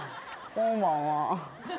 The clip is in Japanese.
こんばんは。